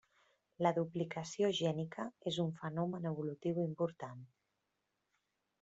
La duplicació gènica és un fenomen evolutiu important.